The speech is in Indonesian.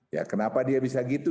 ya kenapa dia bisa gitu